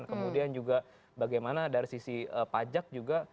kemudian juga bagaimana dari sisi pajak juga